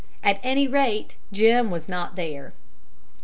At any rate, Jim was not there.